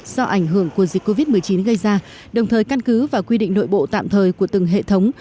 do ảnh hưởng của dịch covid một mươi chín gây ra đồng thời căn cứ và quy định nội bộ tạm thời của từng hệ thống